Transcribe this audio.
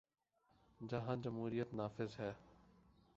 جہاں جمہوریت نافذ ہے۔